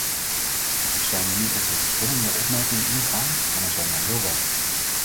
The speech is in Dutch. Ik zal nu op de verschillende opmerkingen ingaan, en er zijn er heel wat.